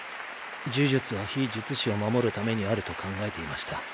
呪術は非術師を守るためにあると考えていました。